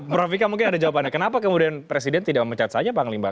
prof vika mungkin ada jawabannya kenapa kemudian presiden tidak memecat saja panglima